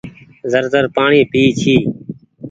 زر زر پآڻيٚ پئي ڇي۔